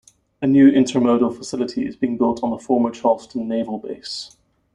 A new intermodal facility is being built on the former Charleston Naval Base.